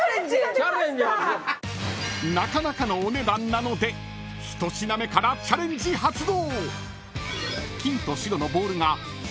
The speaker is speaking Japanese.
［なかなかのお値段なので一品目からチャレンジ発動］